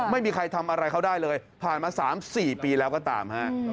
ไม่มีใครทำอะไรเขาได้เลยผ่านมา๓๔ปีแล้วก็ตามฮะ